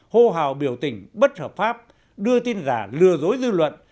hô hào biểu tình bất hợp pháp đưa tin giả lừa dối dư luận